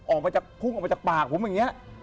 ออกมาจากพุ่งออกมาจากปากผมอย่างนี้